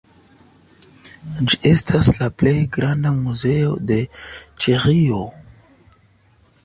Ĝi estas la plej granda muzeo de Ĉeĥio.